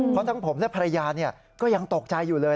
เพราะทั้งผมและภรรยาก็ยังตกใจอยู่เลย